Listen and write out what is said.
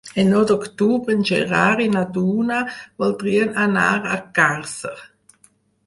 El nou d'octubre en Gerard i na Duna voldrien anar a Càrcer.